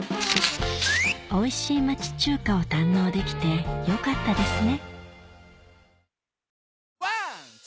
おいしい町中華を堪能できてよかったですね